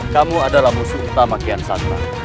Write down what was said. kamu adalah musuh utama kian sandra